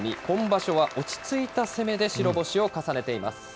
今場所は落ち着いた攻めで白星を重ねています。